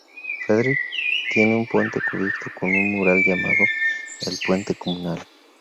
Frederick tiene un puente cubierto con un mural llamado "el puente comunal".